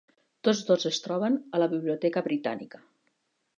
Tots dos es troben a la Biblioteca Britànica.